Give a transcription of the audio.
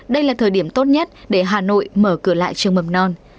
đây là thời điểm tốt nhất để hà nội mở cửa lại trường mầm non